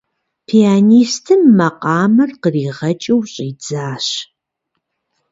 Пианистым макъамэр къригъэкӀыу щӀидзащ.